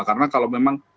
karena kalau memang